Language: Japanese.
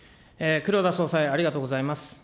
黒田総裁、ありがとうございます。